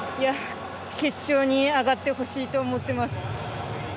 決勝に上がってほしいと思ってます。